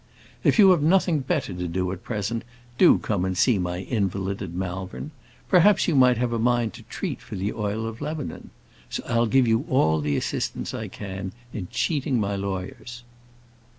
"If you have nothing better to do at present, do come and see my invalid at Malvern. Perhaps you might have a mind to treat for the oil of Lebanon. I'll give you all the assistance I can in cheating my lawyers."